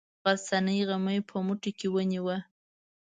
غرڅنۍ غمی په موټي کې ونیوه.